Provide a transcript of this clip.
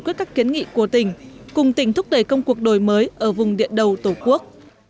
quyết các kiến nghị của tỉnh cùng tỉnh thúc đẩy công cuộc đổi mới ở vùng điện đầu tổ quốc